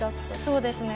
そうですね。